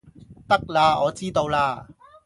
得喇我知道喇